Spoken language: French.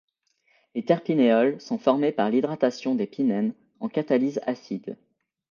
Les terpinéols sont formés par l'hydratation des pinènes, en catalyse acide.